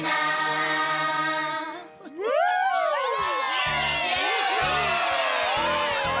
イエイ！